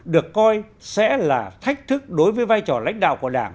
được coi sẽ là thách thức đối với vai trò lãnh đạo của đảng